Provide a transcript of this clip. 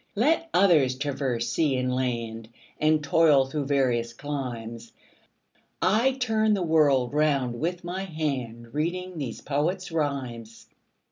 Let others traverse sea and land, And toil through various climes, 30 I turn the world round with my hand Reading these poets' rhymes.